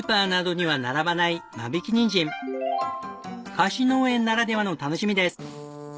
貸し農園ならではの楽しみです。